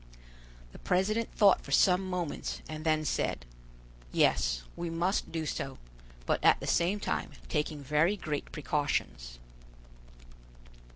The president thought for some moments, and then said: "Yes, we must do so, but at the same time taking very great precautions."